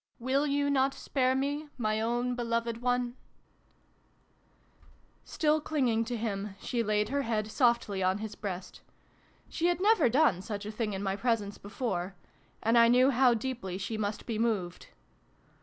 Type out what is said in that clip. Will you not spare me, my own beloved one ?" Still clinging to him, she laid her head softly on his breast. She had never done such a thing in my presence before, and I knew how deeply she must be moved.